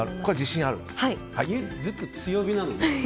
家はずっと強火なのね？